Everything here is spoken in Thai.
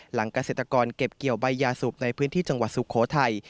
เกษตรกรเก็บเกี่ยวใบยาสูบในพื้นที่จังหวัดสุโขทัย